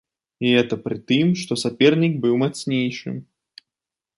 І гэта пры тым, што сапернік быў мацнейшым.